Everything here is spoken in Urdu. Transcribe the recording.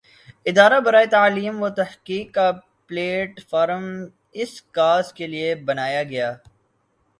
ادارہ برائے تعلیم وتحقیق کا پلیٹ فارم اس کاز کے لئے بنایا گیا۔